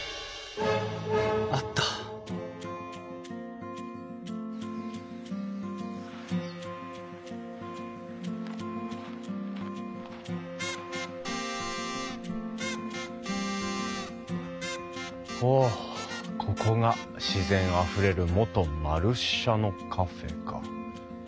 あったおここが「自然あふれる元●舎のカフェ」か。